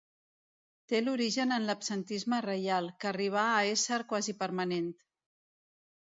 Té l'origen en l'absentisme reial, que arribà a ésser quasi permanent.